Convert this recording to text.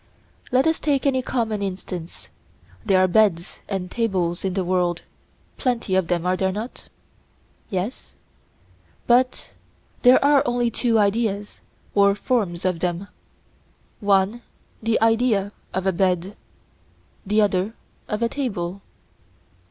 Let us take any common instance; there are beds and tables in the world—plenty of them, are there not? Yes. But there are only two ideas or forms of them—one the idea of a bed, the other of a table.